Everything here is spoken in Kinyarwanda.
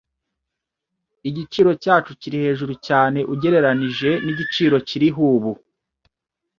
Igiciro cyacu kiri hejuru cyane ugereranije nigiciro kiriho ubu.